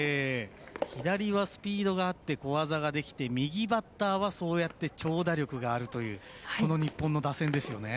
左はスピードがあって小技ができて、右バッターは長打力があるというこの日本の打線ですよね。